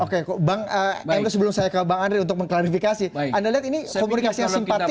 oke bang emrus sebelum saya ke bang andri untuk mengklarifikasi anda lihat ini komunikasi yang simpatis